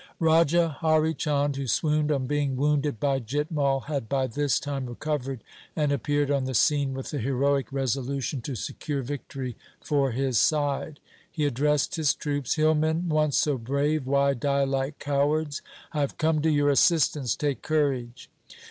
Raja Hari Chand, who swooned on being wounded by Jit Mai, had by this time recovered, and appeared on the scene with the heroic resolution to secure victory for his side. He addressed his troops :' Hillmen, once so brave, why die like cowards ? I have come to your assistance. Take courage.'